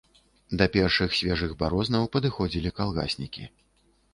Да першых свежых барознаў падыходзілі калгаснікі.